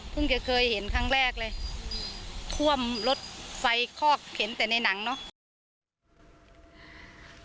จะเคยเห็นครั้งแรกเลยท่วมรถไฟคอกเข็นแต่ในหนังเนาะ